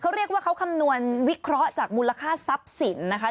เขาเรียกว่าเขาคำนวณวิเคราะห์จากมูลค่าทรัพย์สินนะคะ